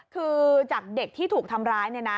คือจากเด็กที่ถูกทำร้าย